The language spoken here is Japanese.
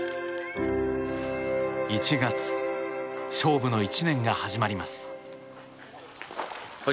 １月、勝負の１年が始まります。